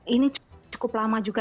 ini cukup lama juga